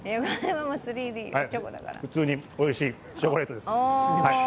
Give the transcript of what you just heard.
普通においしいチョコレートです。